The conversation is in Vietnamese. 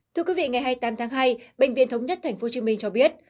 thưa quý vị ngày hai mươi tám tháng hai bệnh viện thống nhất tp hcm cho biết